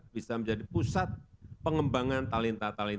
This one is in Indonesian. bisa menjadi pusat pengembangan talenta talenta